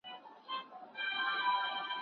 آيا پر ميرمن باندي د خاوند نيکه حرام دی؟